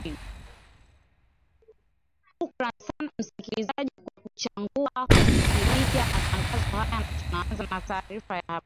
hukrani san msikilizaji kwa kuchangua kusikilija matangazo haya na tunaanza na taarifa ya habarii